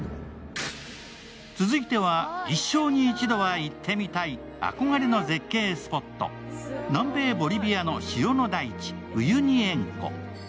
続いては、一生に一度は行ってみたい、憧れの絶景スポット、南米ボリビアの塩の大地・ウユニ塩湖。